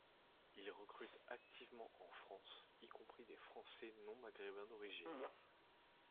Il recrute activement en France, y compris des Français non-Maghrébins d’origine.